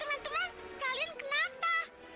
teman teman kalian kenapa